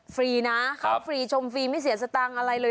ฟรีนะเข้าฟรีชมฟรีไม่เสียสตังค์อะไรเลย